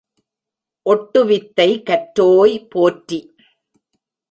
ஒட்டுவித்தை கற்றோய் போற்றி!